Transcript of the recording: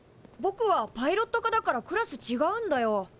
ぼくはパイロット科だからクラスちがうんだよ。